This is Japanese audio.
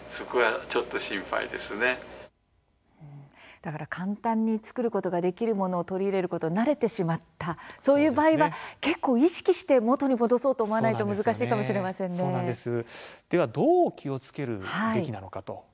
だから簡単に作ることができるものを取り入れることに慣れてしまったそういう場合は結構、意識して元に戻そうと思わないと難しいかもしれませんね。